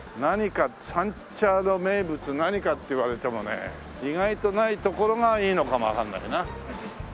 三茶の名物何か？って言われてもね意外とないところがいいのかもわかんないな。